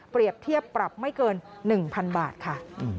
เทียบปรับไม่เกิน๑๐๐๐บาทค่ะ